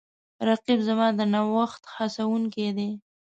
رقیب زما د نوښت هڅونکی دی